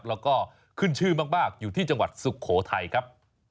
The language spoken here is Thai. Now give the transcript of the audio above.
แล้วก็ขึ้นชื่อมากอยู่ที่จังหวัดสุโขทัยครับ